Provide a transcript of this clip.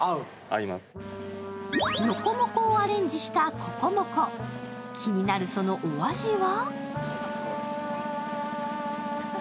ロコモコをアレンジしたココモコ、気になるそのお味は？